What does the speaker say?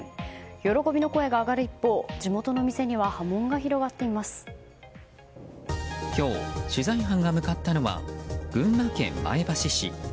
喜びの声が上がる一方地元の店には今日、取材班が向かったのは群馬県前橋市。